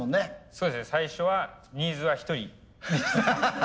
そうですね最初はニーズは１人でした。